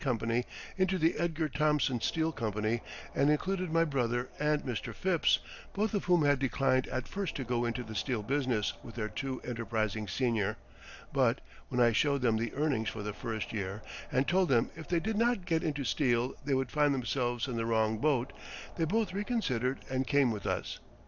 into the Edgar Thomson Steel Company, and included my brother and Mr. Phipps, both of whom had declined at first to go into the steel business with their too enterprising senior. But when I showed them the earnings for the first year and told them if they did not get into steel they would find themselves in the wrong boat, they both reconsidered and came with us.